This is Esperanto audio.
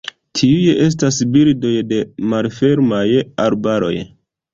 Tiuj estas birdoj de malfermaj arbaroj.